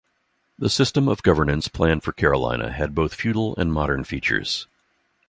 The system of governance planned for Carolina had both feudal and modern features.